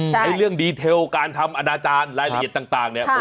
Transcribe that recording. เรื่องดีเทลการทำอนาจารย์รายละเอียดต่างเนี่ย